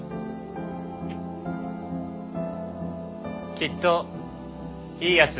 きっといいヤツ。